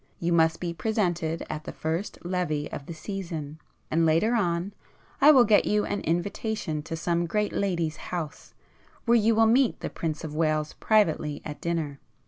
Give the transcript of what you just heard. You must be presented at the first Levée of the season, and later on, I will get you an invitation to some great lady's house, where you will meet the Prince of Wales privately at dinner.